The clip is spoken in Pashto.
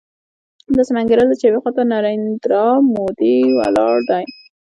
داسې مې انګېرله چې يوې خوا ته نریندرا مودي ولاړ دی.